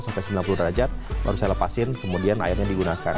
sampai sembilan puluh derajat baru saya lepasin kemudian airnya digunakan